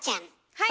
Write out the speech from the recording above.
はい！